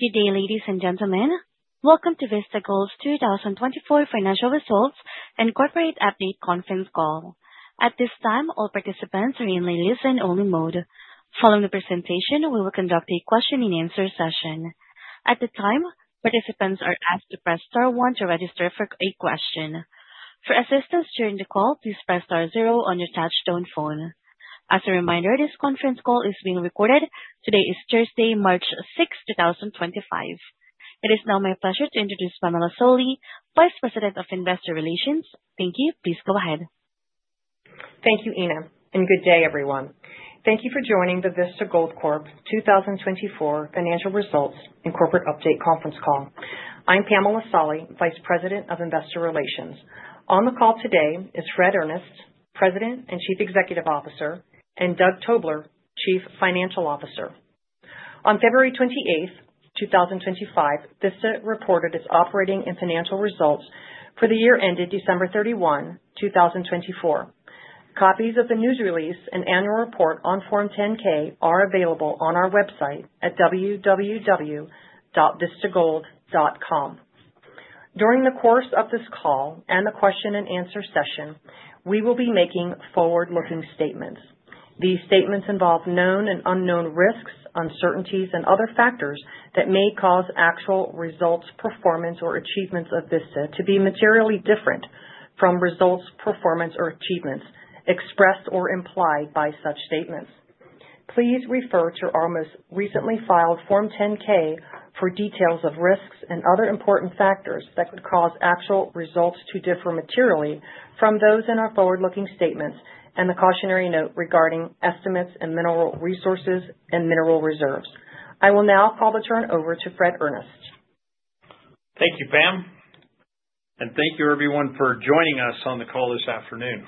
Good day, ladies and gentlemen. Welcome to Vista Gold's 2024 Financial Results and Corporate Update Conference call. At this time, all participants are in the listen-only mode. Following the presentation, we will conduct a question-and-answer session. At this time, participants are asked to press star one to register for a question. For assistance during the call, please press star zero on your touchtone phone. As a reminder, this conference call is being recorded. Today is Thursday, March 6, 2025. It is now my pleasure to introduce Pamela Solly, Vice President of Investor Relations. Thank you. Please go ahead. Thank you, Ina. Good day, everyone. Thank you for joining the Vista Gold Corp 2024 Financial Results and Corporate Update Conference call. I'm Pamela Solly, Vice President of Investor Relations. On the call today is Fred Earnest, President and Chief Executive Officer, and Doug Tobler, Chief Financial Officer. On February 28, 2025, Vista reported its operating and financial results for the year ended December 31, 2024. Copies of the news release and annual report on Form 10-K are available on our website at www.vistagold.com. During the course of this call and the question-and-answer session, we will be making forward-looking statements. These statements involve known and unknown risks, uncertainties, and other factors that may cause actual results, performance, or achievements of Vista to be materially different from results, performance, or achievements expressed or implied by such statements. Please refer to our most recently filed Form 10-K for details of risks and other important factors that could cause actual results to differ materially from those in our forward-looking statements and the cautionary note regarding estimates and mineral resources and mineral reserves. I will now call the turn over to Fred Earnest. Thank you, Pam. Thank you, everyone, for joining us on the call this afternoon.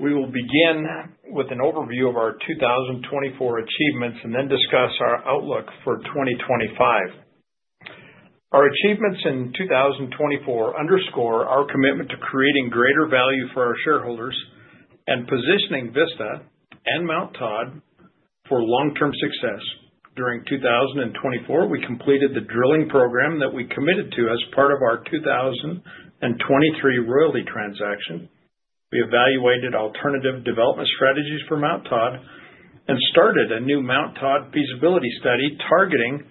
We will begin with an overview of our 2024 achievements and then discuss our outlook for 2025. Our achievements in 2024 underscore our commitment to creating greater value for our shareholders and positioning Vista and Mt Todd for long-term success. During 2024, we completed the drilling program that we committed to as part of our 2023 royalty transaction. We evaluated alternative development strategies for Mt Todd and started a new Mt Todd feasibility study targeting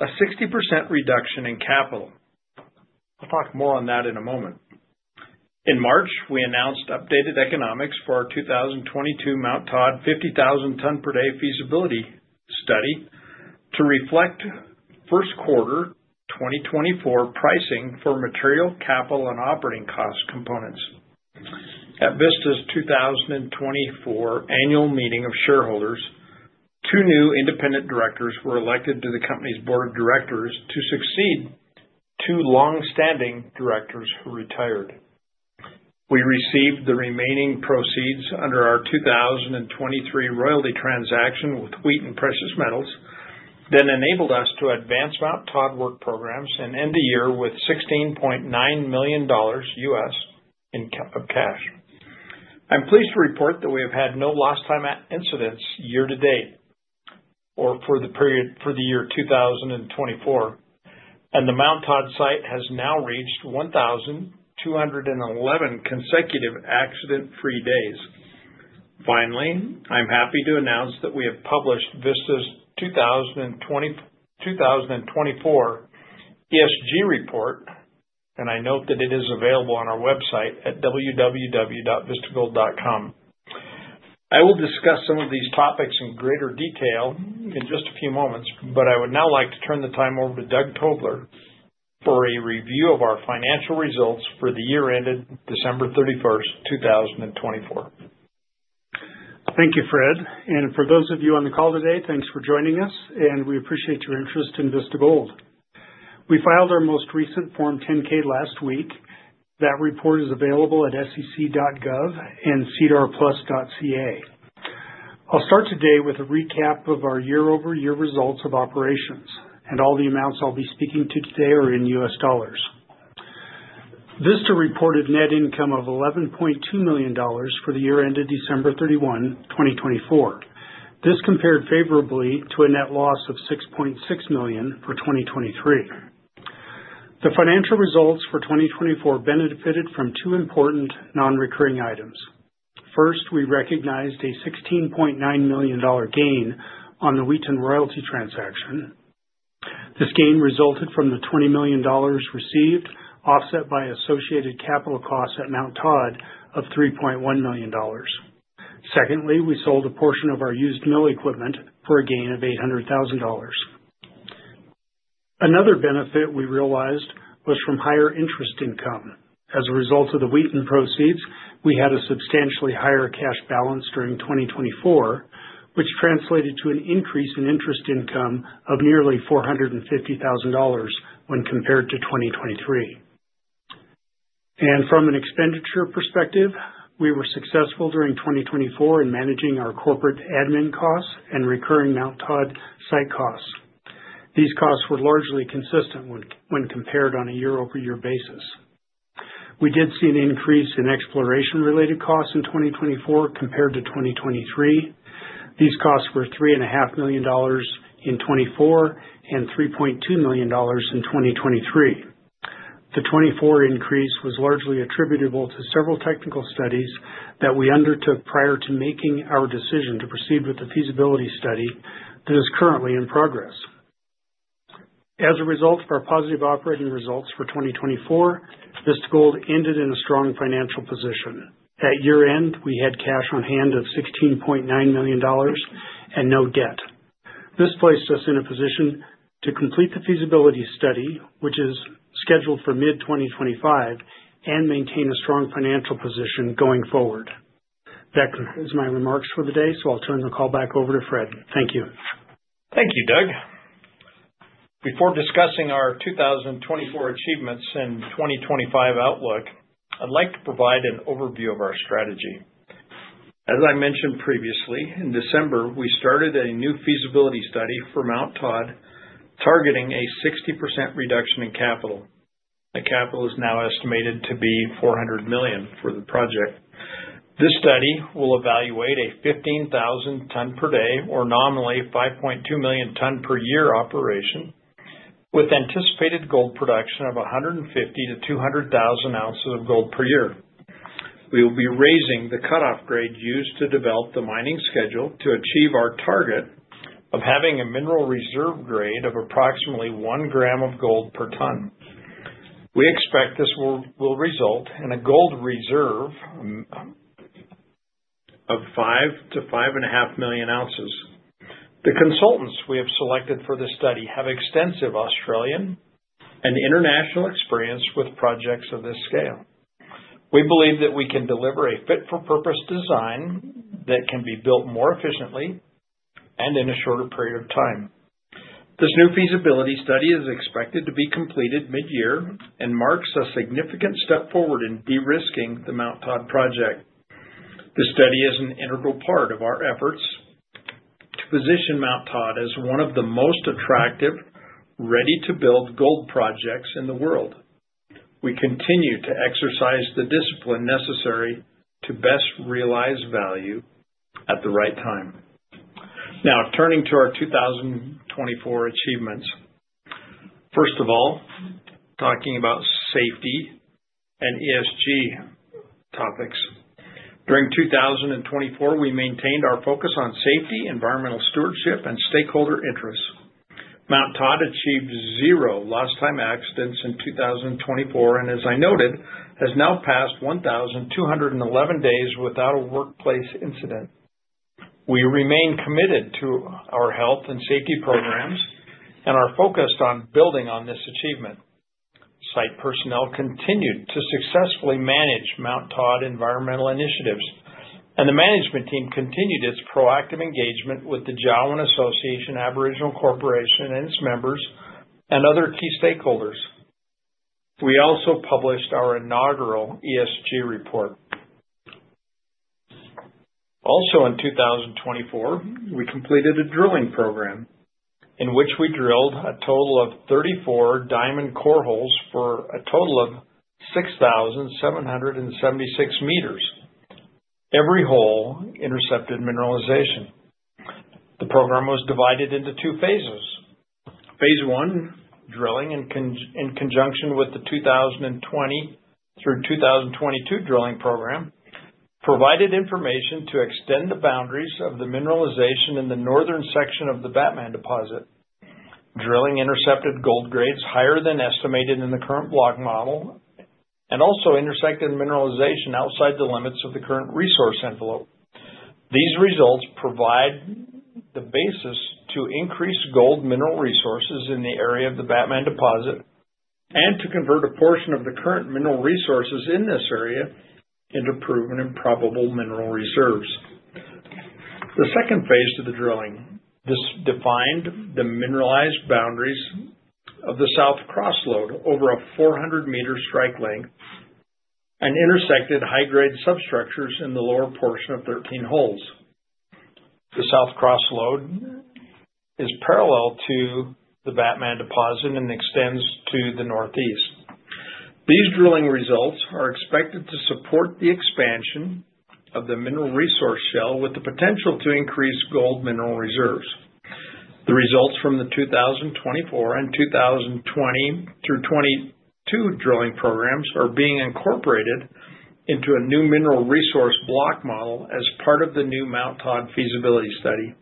a 60% reduction in capital. I will talk more on that in a moment. In March, we announced updated economics for our 2022 Mt Todd 50,000 tpd feasibility study to reflect first quarter 2024 pricing for material, capital, and operating cost components. At Vista's 2024 Annual Meeting of shareholders, two new independent directors were elected to the company's Board of Directors to succeed two long-standing directors who retired. We received the remaining proceeds under our 2023 royalty transaction with Wheaton Precious Metals, which enabled us to advance Mt Todd work programs and end the year with $16.9 million U.S. in cash. I'm pleased to report that we have had no lost time incidents year to date or for the period for the year 2024, and the Mt Todd site has now reached 1,211 consecutive accident-free days. Finally, I'm happy to announce that we have published Vista's 2024 ESG report, and I note that it is available on our website at www.vistagold.com. I will discuss some of these topics in greater detail in just a few moments, but I would now like to turn the time over to Doug Tobler for a review of our financial results for the year ended December 31st, 2024. Thank you, Fred. For those of you on the call today, thanks for joining us, and we appreciate your interest in Vista Gold. We filed our most recent Form 10-K last week. That report is available at sec.gov and sedarplus.ca. I'll start today with a recap of our year-over-year results of operations, and all the amounts I'll be speaking to today are in U.S. dollars. Vista reported net income of $11.2 million for the year ended December 31, 2024. This compared favorably to a net loss of $6.6 million for 2023. The financial results for 2024 benefited from two important non-recurring items. First, we recognized a $16.9 million gain on the Wheaton royalty transaction. This gain resulted from the $20 million received offset by associated capital costs at Mt Todd of $3.1 million. Secondly, we sold a portion of our used mill equipment for a gain of $800,000. Another benefit we realized was from higher interest income. As a result of the Wheaton proceeds, we had a substantially higher cash balance during 2024, which translated to an increase in interest income of nearly $450,000 when compared to 2023. From an expenditure perspective, we were successful during 2024 in managing our corporate admin costs and recurring Mt Todd site costs. These costs were largely consistent when compared on a year-over-year basis. We did see an increase in exploration-related costs in 2024 compared to 2023. These costs were $3.5 million in 2024 and $3.2 million in 2023. The 2024 increase was largely attributable to several technical studies that we undertook prior to making our decision to proceed with the feasibility study that is currently in progress. As a result of our positive operating results for 2024, Vista Gold ended in a strong financial position. At year-end, we had cash on hand of $16.9 million and no debt. This placed us in a position to complete the feasibility study, which is scheduled for mid-2025, and maintain a strong financial position going forward. That concludes my remarks for the day, so I'll turn the call back over to Fred. Thank you. Thank you, Doug. Before discussing our 2024 achievements and 2025 outlook, I'd like to provide an overview of our strategy. As I mentioned previously, in December, we started a new feasibility study for Mt Todd targeting a 60% reduction in capital. The capital is now estimated to be $400 million for the project. This study will evaluate a 15,000 tpd or nominally 5.2 million-ton per year operation with anticipated gold production of 150,000 oz-200,000 oz of gold per year. We will be raising the cutoff grade used to develop the mining schedule to achieve our target of having a mineral reserve grade of approximately 1 g/t. We expect this will result in a gold reserve of 5 million oz-5.5 million oz. The consultants we have selected for this study have extensive Australian and international experience with projects of this scale. We believe that we can deliver a fit-for-purpose design that can be built more efficiently and in a shorter period of time. This new feasibility study is expected to be completed mid-year and marks a significant step forward in de-risking the Mt Todd project. The study is an integral part of our efforts to position Mt Todd as one of the most attractive ready-to-build gold projects in the world. We continue to exercise the discipline necessary to best realize value at the right time. Now, turning to our 2024 achievements. First of all, talking about safety and ESG topics. During 2024, we maintained our focus on safety, environmental stewardship, and stakeholder interests. Mt Todd achieved zero lost-time accidents in 2024, and as I noted, has now passed 1,211 days without a workplace incident. We remain committed to our health and safety programs and are focused on building on this achievement. Site personnel continued to successfully manage Mt Todd environmental initiatives, and the management team continued its proactive engagement with the Jawoyn Association Aboriginal Corporation and its members and other key stakeholders. We also published our inaugural ESG report. Also, in 2024, we completed a drilling program in which we drilled a total of 34 diamond core holes for a total of 6,776 m. Every hole intercepted mineralization. The program was divided into two phases. Phase I, drilling in conjunction with the 2020 through 2022 drilling program, provided information to extend the boundaries of the mineralization in the northern section of the Batman Deposit. Drilling intercepted gold grades higher than estimated in the current block model and also intersected mineralization outside the limits of the current resource envelope. These results provide the basis to increase gold mineral resources in the area of the Batman Deposit and to convert a portion of the current mineral resources in this area into proven and probable mineral reserves. The second phase to the drilling defined the mineralized boundaries of the South Cross Lode over a 400 m strike length and intersected high-grade substructures in the lower portion of 13 holes. The South Cross Lode is parallel to the Batman Deposit and extends to the northeast. These drilling results are expected to support the expansion of the mineral resource shell with the potential to increase gold mineral reserves. The results from the 2024 and 2020 through 2022 drilling programs are being incorporated into a new mineral resource block model as part of the new Mt Todd feasibility study.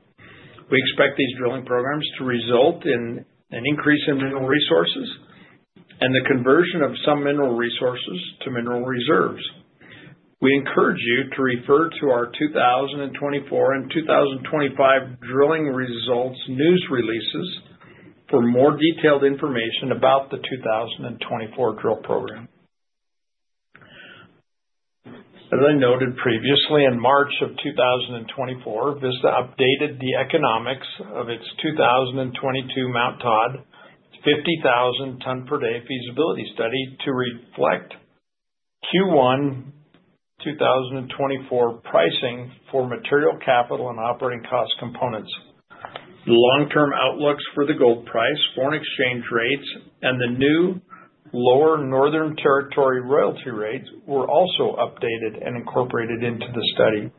We expect these drilling programs to result in an increase in mineral resources and the conversion of some mineral resources to mineral reserves. We encourage you to refer to our 2024 and 2025 drilling results news releases for more detailed information about the 2024 drill program. As I noted previously, in March of 2024, Vista updated the economics of its 2022 Mt Todd 50,000 tpd feasibility study to reflect Q1 2024 pricing for material capital and operating cost components. The long-term outlooks for the gold price, foreign exchange rates, and the new lower Northern Territory royalty rates were also updated and incorporated into the study.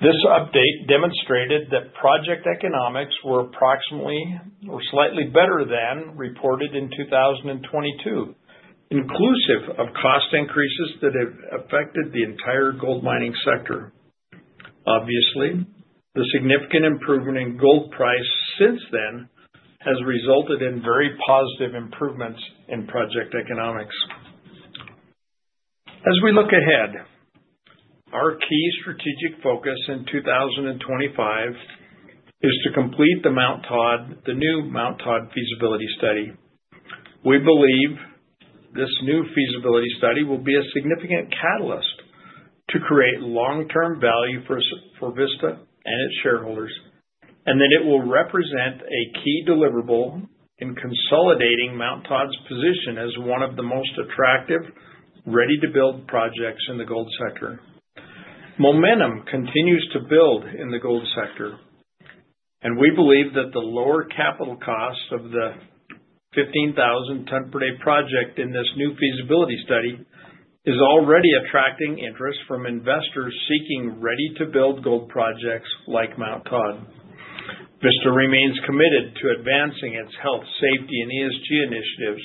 This update demonstrated that project economics were approximately or slightly better than reported in 2022, inclusive of cost increases that have affected the entire gold mining sector. Obviously, the significant improvement in gold price since then has resulted in very positive improvements in project economics. As we look ahead, our key strategic focus in 2025 is to complete the Mt Todd, the new Mt Todd feasibility study. We believe this new feasibility study will be a significant catalyst to create long-term value for Vista and its shareholders, and that it will represent a key deliverable in consolidating Mt Todd's position as one of the most attractive ready-to-build projects in the gold sector. Momentum continues to build in the gold sector, and we believe that the lower capital cost of the 15,000 tpd project in this new feasibility study is already attracting interest from investors seeking ready-to-build gold projects like Mt Todd. Vista remains committed to advancing its health, safety, and ESG initiatives.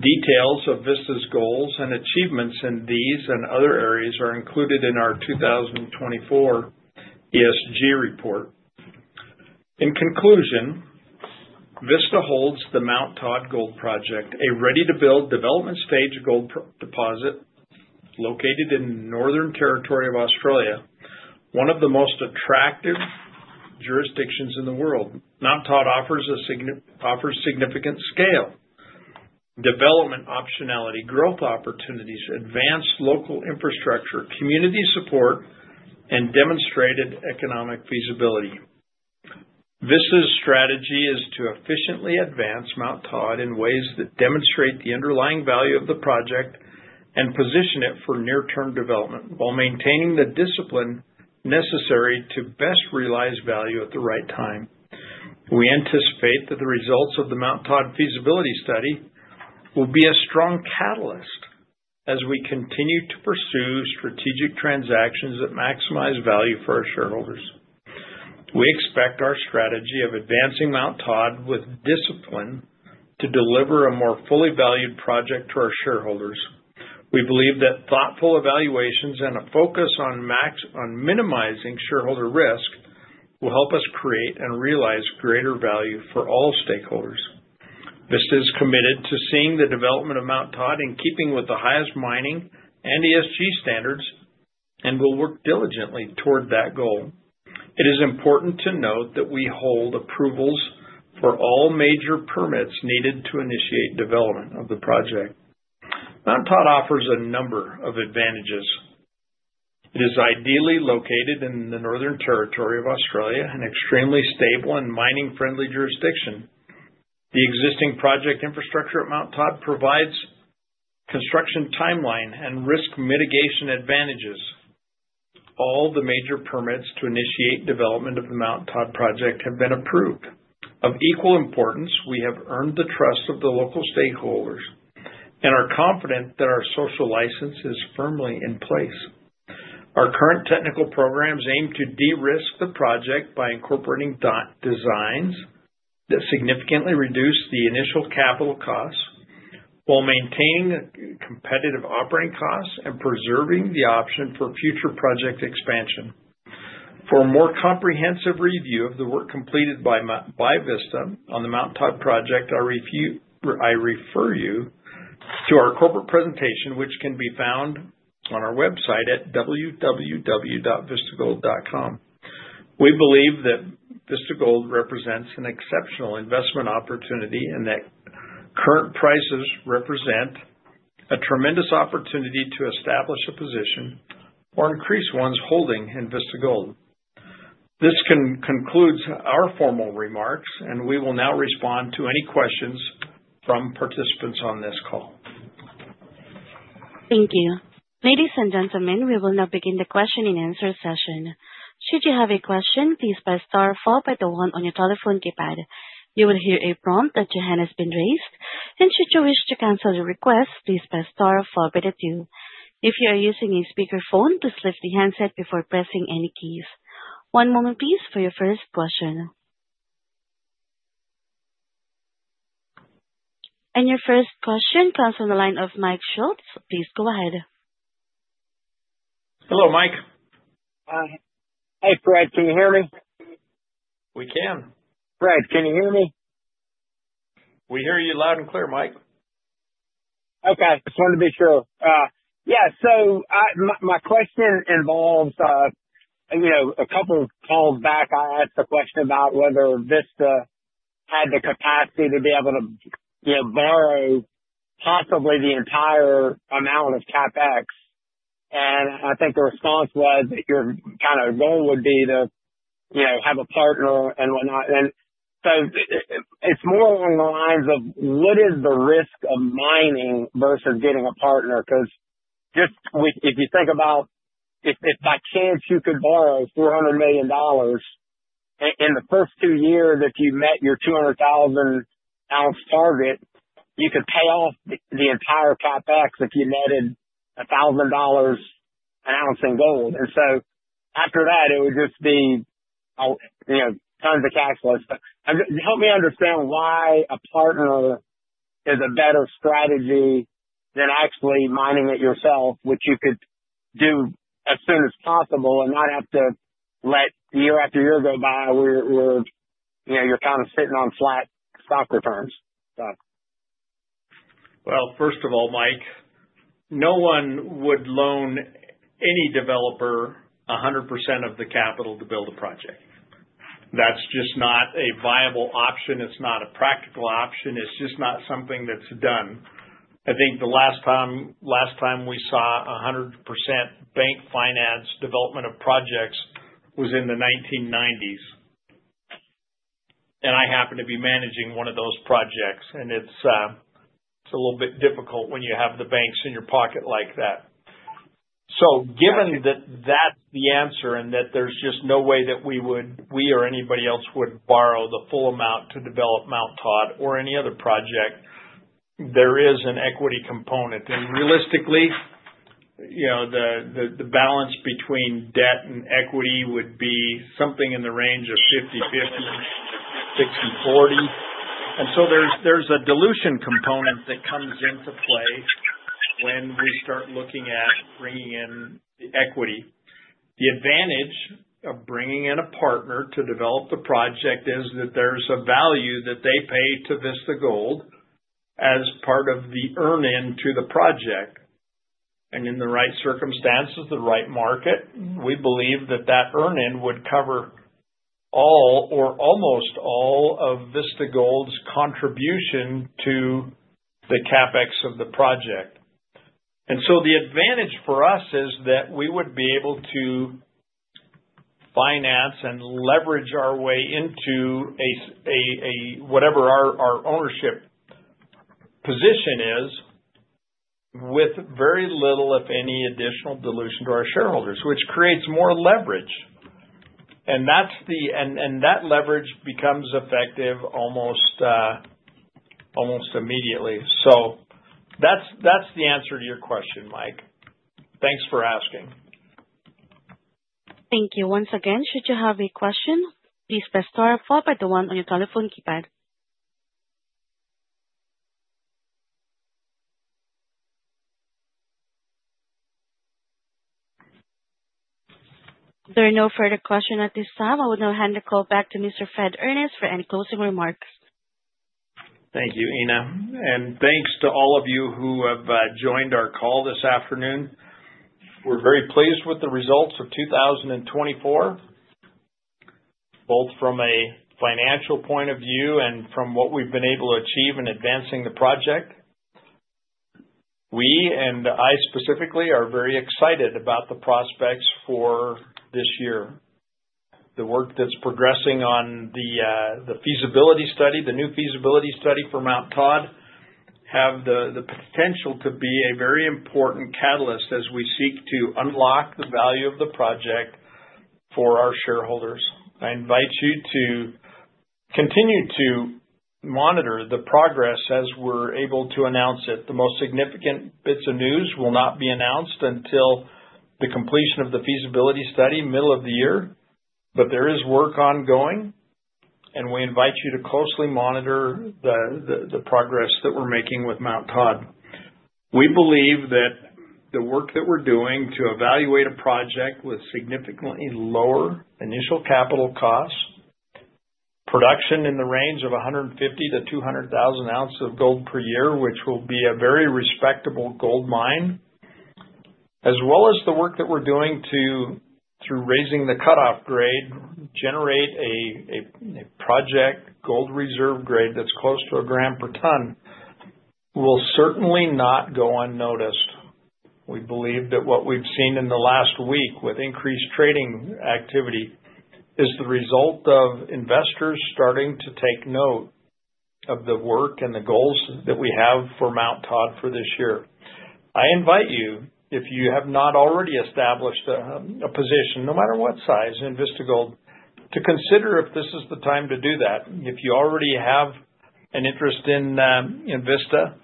Details of Vista's goals and achievements in these and other areas are included in our 2024 ESG report. In conclusion, Vista holds the Mt Todd gold project, a ready-to-build development stage gold deposit located in Northern Territory of Australia, one of the most attractive jurisdictions in the world. Mt Todd offers significant scale, development optionality, growth opportunities, advanced local infrastructure, community support, and demonstrated economic feasibility. Vista's strategy is to efficiently advance Mt Todd in ways that demonstrate the underlying value of the project and position it for near-term development while maintaining the discipline necessary to best realize value at the right time. We anticipate that the results of the Mt Todd feasibility study will be a strong catalyst as we continue to pursue strategic transactions that maximize value for our shareholders. We expect our strategy of advancing Mt Todd with discipline to deliver a more fully valued project to our shareholders. We believe that thoughtful evaluations and a focus on minimizing shareholder risk will help us create and realize greater value for all stakeholders. Vista is committed to seeing the development of Mt Todd in keeping with the highest mining and ESG standards and will work diligently toward that goal. It is important to note that we hold approvals for all major permits needed to initiate development of the project. Mt Todd offers a number of advantages. It is ideally located in the Northern Territory of Australia, an extremely stable and mining-friendly jurisdiction. The existing project infrastructure at Mt Todd provides construction timeline and risk mitigation advantages. All the major permits to initiate development of the Mt Todd project have been approved. Of equal importance, we have earned the trust of the local stakeholders and are confident that our social license is firmly in place. Our current technical programs aim to de-risk the project by incorporating designs that significantly reduce the initial capital costs while maintaining competitive operating costs and preserving the option for future project expansion. For a more comprehensive review of the work completed by Vista Gold on the Mt Todd project, I refer you to our corporate presentation, which can be found on our website at www.vistagold.com. We believe that Vista Gold represents an exceptional investment opportunity and that current prices represent a tremendous opportunity to establish a position or increase one's holding in Vista Gold. This concludes our formal remarks, and we will now respond to any questions from participants on this call. Thank you. Ladies and gentlemen, we will now begin the question-and-answer session. Should you have a question, please press star followed by the one on your telephone keypad. You will hear a prompt that your hand has been raised. Should you wish to cancel your request, please press star followed by the two. If you are using a speakerphone, please lift the handset before pressing any keys. One moment, please, for your first question. Your first question comes from the line of Mike Schultz. Please go ahead. Hello, Mike. Hi, Fred. Can you hear me? We can. Fred, can you hear me? We hear you loud and clear, Mike. Okay. Just wanted to be sure. Yeah. My question involves a couple of calls back. I asked a question about whether Vista had the capacity to be able to borrow possibly the entire amount of CapEx. I think the response was that your kind of goal would be to have a partner and whatnot. It is more along the lines of what is the risk of mining versus getting a partner? Because if you think about if by chance you could borrow $400 million in the first two years if you met your 200,000 oz target, you could pay off the entire CapEx if you netted $1,000 an ounce in gold. After that, it would just be tons of cash flows. Help me understand why a partner is a better strategy than actually mining it yourself, which you could do as soon as possible and not have to let year after year go by where you're kind of sitting on flat stock returns. First of all, Mike, no one would loan any developer 100% of the capital to build a project. That's just not a viable option. It's not a practical option. It's just not something that's done. I think the last time we saw 100% bank finance development of projects was in the 1990s. I happen to be managing one of those projects. It's a little bit difficult when you have the banks in your pocket like that. Given that that's the answer and that there's just no way that we or anybody else would borrow the full amount to develop Mt Todd or any other project, there is an equity component. Realistically, the balance between debt and equity would be something in the range of 50/50, 60/40. There's a dilution component that comes into play when we start looking at bringing in the equity. The advantage of bringing in a partner to develop the project is that there's a value that they pay to Vista Gold as part of the earn-in to the project. In the right circumstances, the right market, we believe that that earn-in would cover all or almost all of Vista Gold's contribution to the CapEx of the project. The advantage for us is that we would be able to finance and leverage our way into whatever our ownership position is with very little, if any, additional dilution to our shareholders, which creates more leverage. That leverage becomes effective almost immediately. That's the answer to your question, Mike. Thanks for asking. Thank you. Once again, should you have a question, please press star or follow up by the one on your telephone keypad. There are no further questions at this time. I will now hand the call back to Mr. Fred Earnest for any closing remarks. Thank you, Ina. Thank you to all of you who have joined our call this afternoon. We're very pleased with the results of 2024, both from a financial point of view and from what we've been able to achieve in advancing the project. We and I specifically are very excited about the prospects for this year. The work that's progressing on the feasibility study, the new feasibility study for Mt Todd, has the potential to be a very important catalyst as we seek to unlock the value of the project for our shareholders. I invite you to continue to monitor the progress as we're able to announce it. The most significant bits of news will not be announced until the completion of the feasibility study, middle of the year, but there is work ongoing. We invite you to closely monitor the progress that we're making with Mt Todd. We believe that the work that we're doing to evaluate a project with significantly lower initial capital costs, production in the range of 150,000 oz-200,000 oz of gold per year, which will be a very respectable gold mine, as well as the work that we're doing through raising the cutoff grade, generate a project gold reserve grade that's close to a gram per ton, will certainly not go unnoticed. We believe that what we've seen in the last week with increased trading activity is the result of investors starting to take note of the work and the goals that we have for Mt Todd for this year. I invite you, if you have not already established a position, no matter what size, in Vista Gold, to consider if this is the time to do that. If you already have an interest in Vista,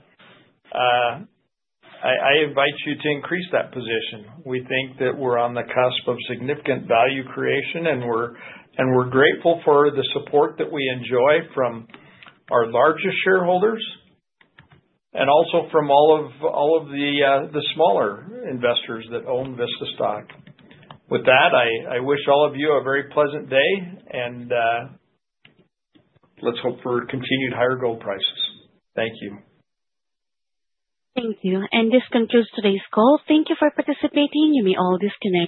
I invite you to increase that position. We think that we're on the cusp of significant value creation, and we're grateful for the support that we enjoy from our largest shareholders and also from all of the smaller investors that own Vista stock. With that, I wish all of you a very pleasant day, and let's hope for continued higher gold prices. Thank you. Thank you. This concludes today's call. Thank you for participating. You may all disconnect.